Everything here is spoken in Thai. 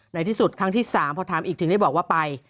ในที่สุดครั้งที่๓พอถามอีกถึงได้บอกว่าไป